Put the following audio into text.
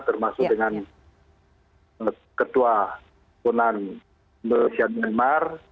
termasuk dengan ketua kementerian malaysia myanmar